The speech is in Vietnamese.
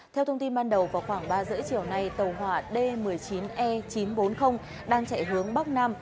theo thông tin ban đầu vào khoảng ba h ba mươi chiều nay tàu hỏa d một mươi chín e chín trăm bốn mươi đang chạy hướng bắc nam